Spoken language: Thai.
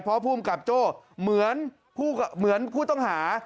เพราะภูมิกับโจ้เหมือนผู้ต้องหา